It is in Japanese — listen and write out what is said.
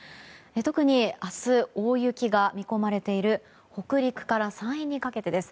特に明日、大雪が見込まれている北陸から山陰にかけてです。